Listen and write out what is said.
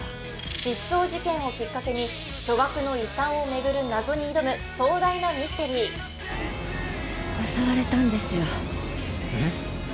失踪事件をきっかけに巨額の遺産をめぐる謎に挑む壮大なミステリー襲われたんですよえっ？